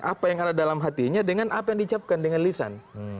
apa yang ada dalam hatinya dengan apa yang diucapkan dengan lisan